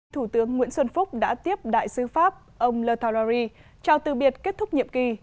thủ tướng nguyễn xuân phúc đã tiếp đại sứ pháp ông le taulary trao từ biệt kết thúc nhiệm kỳ